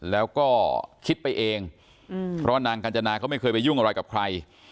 แล้วก็คิดไปเองเพราะนางกัญจนาเขาไม่เคยไปยุ่งอะไรกับใคร